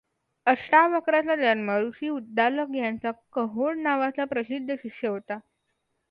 अष्टावक्रचा जन्म ऋषि उद्दालक यांचा कहोड नावाचा प्रसिद्ध शिष्य होता.